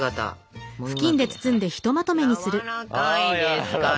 やわらかいですから。